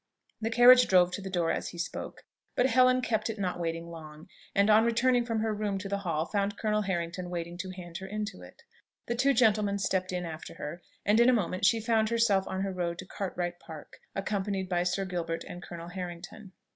The carriage drove to the door as he spoke; but Helen kept it not waiting long, and on returning from her room to the hall found Colonel Harrington waiting to hand her into it. The two gentlemen stepped in after her, and in a moment she found herself on her road to Cartwright Park, accompanied by Sir Gilbert and Colonel Harrington.